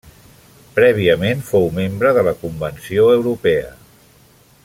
Prèviament fou membre de la Convenció Europea.